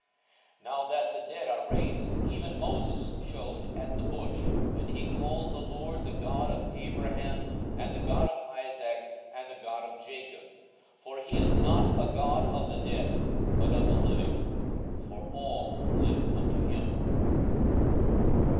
42:020:037 Now that the dead are raised, even Moses shewed at the bush, when he calleth the Lord the God of Abraham, and the God of Isaac, and the God of Jacob. 42:020:038 For he is not a God of the dead, but of the living: for all live unto him.